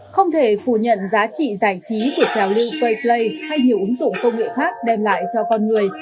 không thể phủ nhận giá trị giải trí của trào lưu payplay hay nhiều ứng dụng công nghệ khác đem lại cho con người